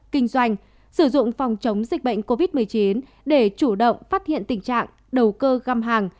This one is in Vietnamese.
kinh doanh sử dụng phòng chống dịch bệnh covid một mươi chín để chủ động phát hiện tình trạng đầu cơ găm hàng